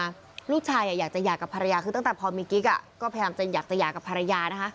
ลูกชายอยากจะหย่ากับภรรยาคือตั้งแต่พอมีกิ๊กอ่ะก็พยายามจะอยากจะหย่ากับภรรยานะคะ